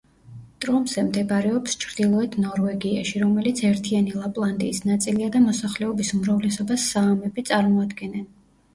ტრომსე მდებარეობს ჩრდილოეთ ნორვეგიაში, რომელიც ერთიანი ლაპლანდიის ნაწილია და მოსახლეობის უმრავლესობას საამები წარმოადგენენ.